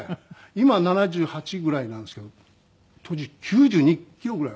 今７８ぐらいなんですけど当時９２キロぐらいあって。